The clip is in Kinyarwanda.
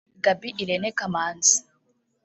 Gaby Irene Kamanzi